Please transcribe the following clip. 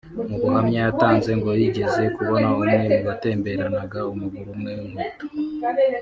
Mu buhamya yatanze ngo yigeze kubona umwe mu batemberanaga umuguru umwe w’inkweto